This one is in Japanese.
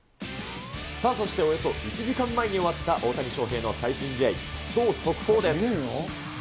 そしておよそ１時間前に終わった大谷翔平の最新試合、超速報です。